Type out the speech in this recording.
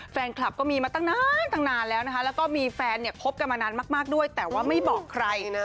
แฟนคลับก็มีมาตั้งนานตั้งนานแล้วนะคะแล้วก็มีแฟนเนี่ยคบกันมานานมากด้วยแต่ว่าไม่บอกใครนะ